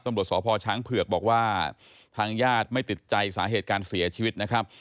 ตำรวจสพช้างเผือกบอกว่าทางญาติไม่ติดใจสาเหตุการเสียชีวิตนะครับ